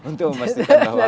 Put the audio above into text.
untuk memastikan bahwa